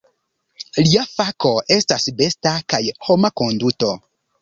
Lia fako estas besta kaj homa konduto.